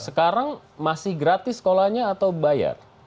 sekarang masih gratis sekolahnya atau bayar